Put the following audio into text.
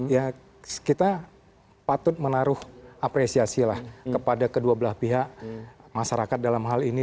ya kita patut menaruh apresiasi lah kepada kedua belah pihak masyarakat dalam hal ini